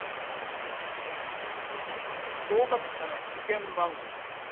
合かく者の受験番号です。